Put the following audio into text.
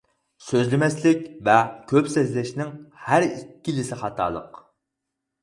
سۆزلىمەسلىك ۋە كۆپ سۆزلەشنىڭ ھەر ئىككىلىسى خاتالىق.